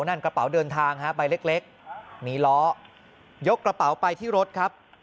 นั่นกระเป๋าเดินทางฮะใบเล็กมีล้อยกกระเป๋าไปที่รถครับ